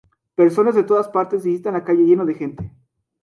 Personas de todas partes visitan la calle lleno de gente.